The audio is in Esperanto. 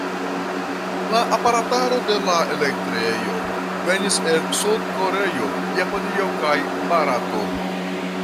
La aparataro de la elektrejo venis el Sud-Koreio, Japanio kaj Barato.